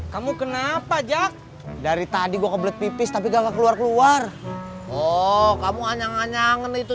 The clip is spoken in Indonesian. kamu kenapa jack dari tadi gua kebelet pipis tapi gak keluar keluar oh kamu anjang anyangan itu